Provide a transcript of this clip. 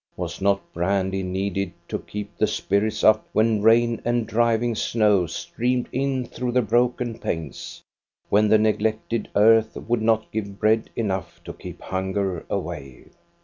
Was not brandy needed to keep the spirits up when rain and driving snow streamed in through the broken panes, when the neglected earth would not give bread enough to keep hunger away?